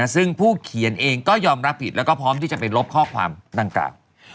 ซึ่งผู้เขียนเองก็ยอมรับผิดแล้วก็พร้อมที่จะไปลบข้อความดังกล่าว